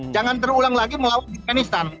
jangan terulang lagi melawan afganistan